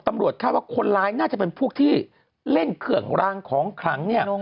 ตำรวจคาดว่าคนร้ายน่าจะเป็นพวกที่เล่นเครื่องรางของขลังเนี่ย